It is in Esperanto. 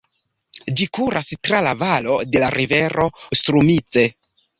Ĝi kuras tra la valo de la rivero Strumice.